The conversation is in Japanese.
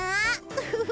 フフフ。